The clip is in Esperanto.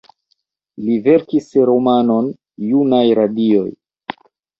Li verkis romanon, "Junaj radioj".